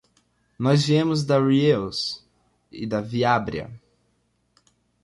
Nós viemos da Riells e da Viabrea.